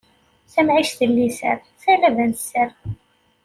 Tamɛict n liser, talaba n sser.